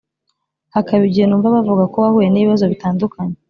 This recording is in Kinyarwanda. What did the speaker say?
hakaba igihe numva bavuga ko wahuye n’ibibazo bitandukanye